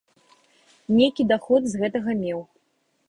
Нейкі даход з гэтага меў.